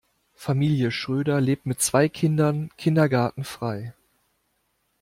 Familie Schröder lebt mit zwei Kindern Kindergartenfrei.